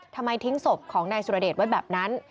ทำไมทิ้งศพของนายสุรเดชไว้แบบนั้น